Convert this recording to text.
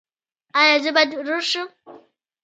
ایا زه باید ورور شم؟